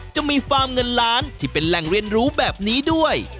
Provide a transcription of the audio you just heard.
จะมีฟาร์มเงินล้านที่เป็นแหล่งเรียนรู้แบบนี้ด้วย